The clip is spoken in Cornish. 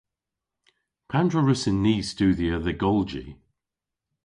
Pandr'a wrussyn ni studhya dhe golji?